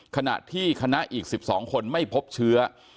ขณะที่คณะอีก๑๒คนไม่พบเชื้อ